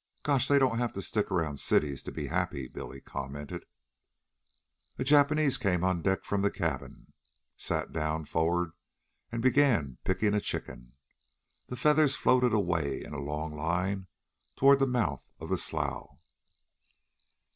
"Gosh! they don't have to stick around cities to be happy," Billy commented. A Japanese came on deck from the cabin, sat down for'ard, and began picking a chicken. The feathers floated away in a long line toward the mouth of the slough.